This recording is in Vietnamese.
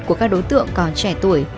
của các đối tượng còn trẻ tuổi